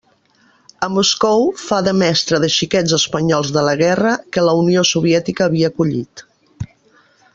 A Moscou fa de mestra de xiquets espanyols de la guerra, que la Unió Soviètica havia acollit.